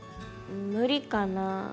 無理かなぁ。